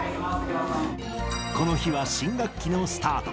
この日は新学期のスタート。